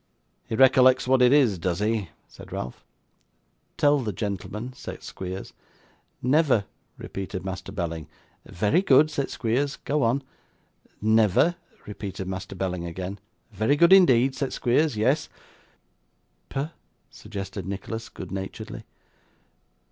'He recollects what it is, does he?' said Ralph. 'Tell the gentleman,' said Squeers. '"Never,"' repeated Master Belling. 'Very good,' said Squeers; 'go on.' 'Never,' repeated Master Belling again. 'Very good indeed,' said Squeers. 'Yes.' 'P,' suggested Nicholas, good naturedly.